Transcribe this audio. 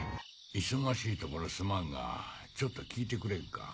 忙しいところすまんがちょっと聞いてくれんか？